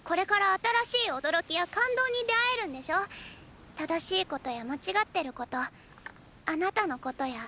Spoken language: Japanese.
正しいことや間違ってることあなたのことや愛のこと。